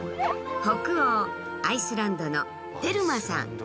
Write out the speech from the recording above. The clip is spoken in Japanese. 北欧アイスランドのテルマさん。